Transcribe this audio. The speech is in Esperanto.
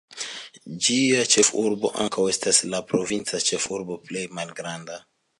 Ĝia ĉefurbo ankaŭ estas la provinca ĉefurbo plej malgranda.